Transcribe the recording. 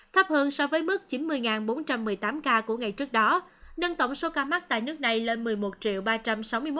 thấp hơn so với mức chín mươi bốn trăm một mươi tám ca của ngày trước đó nâng tổng số ca mắc tại nước này lên một mươi một ba trăm sáu mươi một ba trăm tám mươi bảy ca